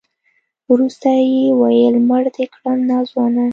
وروسته يې وويل مړ دې کړم ناځوانه.